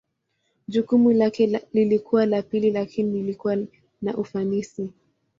Jukumu lake lilikuwa la pili lakini lilikuwa na ufanisi.